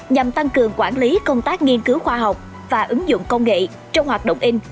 nhằm tăng cường quản lý công tác nghiên cứu khoa học và ứng dụng công nghệ trong hoạt động in